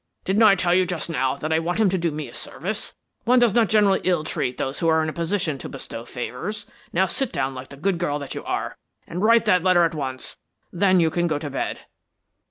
Didn't I tell you just now that I want him to do me a service? One does not generally ill treat those who are in a position to bestow favors. Now sit down like the good girl that you are, and write that letter at once. Then you can go to bed."